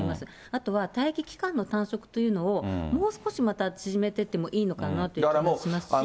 あとは待機期間の短縮というのを、もう少しまた縮めていってもいいのかなという気もしますし。